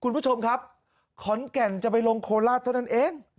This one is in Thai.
คุณผู้ชมครับขอนแก่นจะไปลงโคราชเท่านั้นเอง